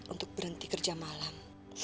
untuk berhenti kerja malam